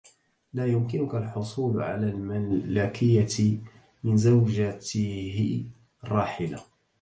لا يمكنك الحصول علي الملكية من زوجته الراحلة.